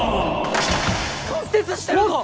骨折してるぞ！